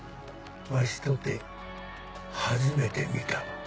わしとて初めて見たわ。